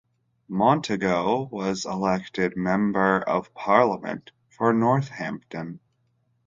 Montagu was elected Member of Parliament for Northampton.